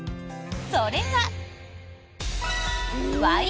それが。